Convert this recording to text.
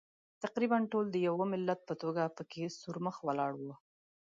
تقریباً ټول د یوه ملت په توګه پکې سور مخ ولاړ وو.